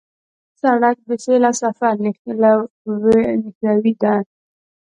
سړک د سیل او سفر نښلوی دی.